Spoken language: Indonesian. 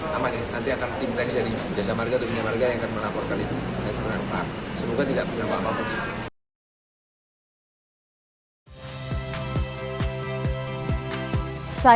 nanti akan tim teknis dari jasa marga